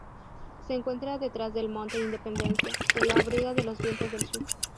Se encuentra detrás del Monte Independencia, que lo abriga de los vientos del sur.